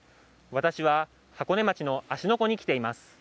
私は箱根町の芦ノ湖に来ています。